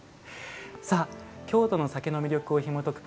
さあ京都の酒の魅力をひもとく